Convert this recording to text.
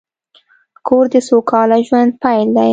کور د سوکاله ژوند پیل دی.